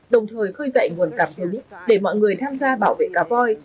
đồng thời khơi dậy nguồn cảm thêm lúc để mọi người tham gia bảo vệ cá voi